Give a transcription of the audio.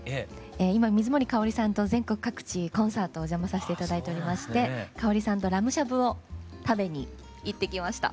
今水森かおりさんと全国各地コンサートお邪魔させて頂いておりましてかおりさんとラムしゃぶを食べに行ってきました。